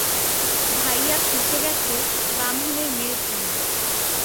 ভাইয়া ফেঁসে গেছে ব্রাহ্মণের মেয়ের প্রেমে!